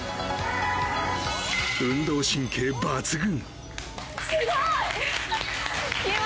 運動神経抜群。